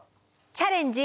「チャレンジ！